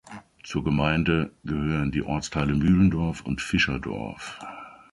Zur Gemeinde gehören die Ortsteile Mühlendorf und Fischerdorf.